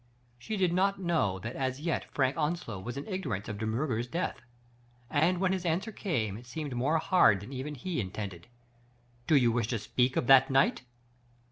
She did not know that as yet Frank Onslow was in ignorance of De Miirger's death ; and when his answer came it seemed more hard than even he intended :" Do you wish to speak of that night?"